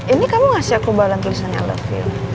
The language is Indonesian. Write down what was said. ini kamu ngasih aku balon tulisannya i love you